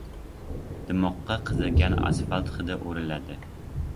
Dimoqqa qizigan asfalt hidi uriladi.